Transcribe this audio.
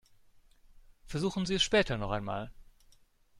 Versuchen Sie es später noch einmal!